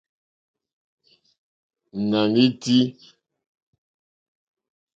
Ɲàm í tí.